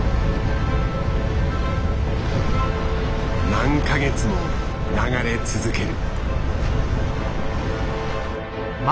何か月も流れ続ける。